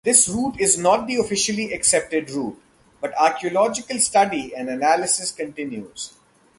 This route is not the officially accepted route, but archaeological study and analysis continues.